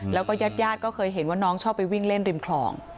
แล้วก็ญาติก็เคยเห็นว่าน้องชอบไปวิ่งเล่นริมคลอง